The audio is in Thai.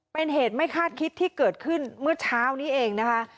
เป็นเหตุไม่คาดคิดที่เกิดขึ้นเมื่อเช้านี้เองนะคะ